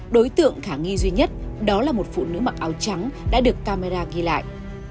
đối tượng khả nghi duy nhất đó là một phụ nữ mặc áo trắng đã được camera ghi lại